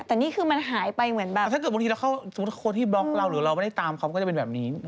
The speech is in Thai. แต่นี่คือมันหายไปเหมือนแบบถ้าเกิดบางทีเราเข้าสมมุติคนที่บล็อกเราหรือเราไม่ได้ตามเขาก็จะเป็นแบบนี้